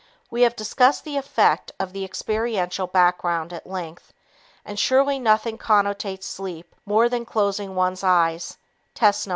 We have discussed the effect of the experiential background at length, and surely nothing connotates sleep more than closing one's eyes test No.